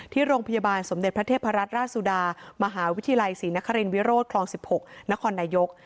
ที่โรงพยาบาลสมเด็จพระเทพรัตนราชสุดามหาวิทยาลัยศรีนครินวิโรธคลอง๑๖นครนายก